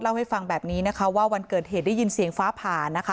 เล่าให้ฟังแบบนี้นะคะว่าวันเกิดเหตุได้ยินเสียงฟ้าผ่านะคะ